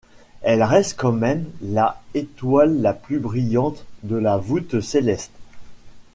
Elle reste quand même la étoile la plus brillante de la voûte céleste.